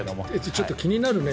ちょっと気になるね。